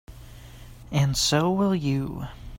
And so will you.